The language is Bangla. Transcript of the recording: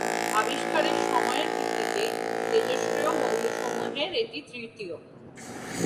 আবিষ্কারের সময়ের ভিত্তিতে তেজস্ক্রিয় মৌলসমূহের এটি তৃতীয়।